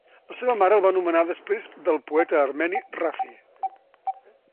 La seva mare el va nomenar després del poeta armeni Raffi.